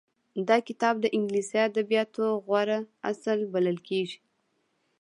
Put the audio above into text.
دا کتاب د انګلیسي ادبیاتو غوره اثر بلل کېږي